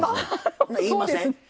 言いません？